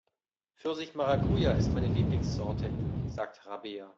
Pfirsich-Maracuja ist meine Lieblingssorte, sagt Rabea.